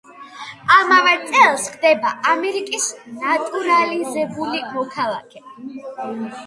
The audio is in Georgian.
ამავე წელს ხდება ამერიკის ნატურალიზებული მოქალაქე.